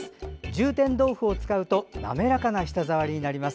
充てん豆腐を使うと滑らかな舌触りになります。